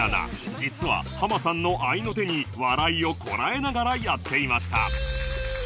実はハマさんの合いの手に笑いをこらえながらやっていました